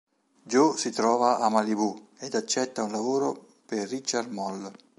Jo si trova a Malibu ed accetta un lavoro per Richard Moll.